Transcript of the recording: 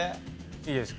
いいですか？